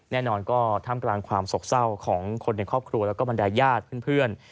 แน่นอนก็ท่ามกลางความโศกเศร้าของคนในครอบครัวแล้วก็บรรดายญาติเพื่อน